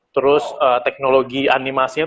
terus teknologi animasinya